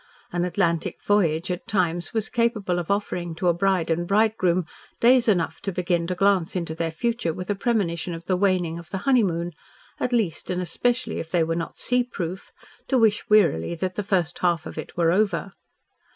An Atlantic voyage at times was capable of offering to a bride and bridegroom days enough to begin to glance into their future with a premonition of the waning of the honeymoon, at least, and especially if they were not sea proof, to wish wearily that the first half of it were over.